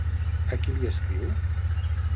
A qui li escriu?